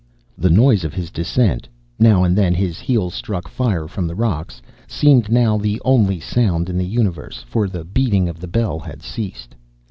The noise of his descent now and then his heels struck fire from the rocks seemed now the only sound in the universe, for the beating of the bell had ceased.